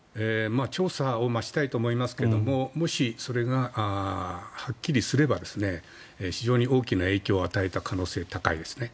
調査を待ちたいと思いますけどももし、それがはっきりすれば非常に大きな影響を与えた可能性は高いですね。